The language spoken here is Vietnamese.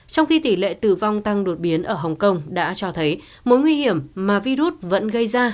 trong khi tỷ lệ tử vong tăng đột biến ở hồng kông đã cho thấy mối nguy hiểm mà virus vẫn gây ra